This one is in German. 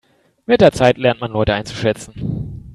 Mit der Zeit lernt man Leute einzuschätzen.